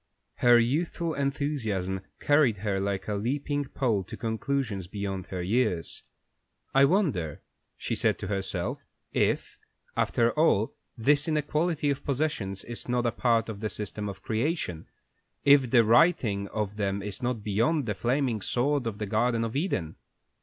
Her youthful enthusiasm carried her like a leaping pole to conclusions beyond her years. "I wonder," she said to herself, "if, after all, this inequality of possessions is not a part of the system of creation, if the righting of them is not beyond the flaming sword of the Garden of Eden?